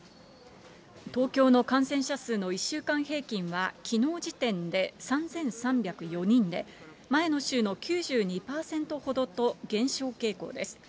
東京の感染者数の１週間平均は、きのう時点で３３０４人で、前の週の９２％ほどと減少傾向です。